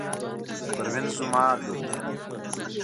پروین زما لور ده.